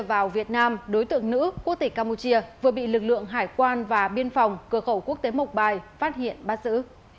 vào việt nam đối tượng nữ quốc tịch campuchia vừa bị lực lượng hải quan và biên phòng cửa khẩu quốc tế mộc bài phát hiện bắt giữ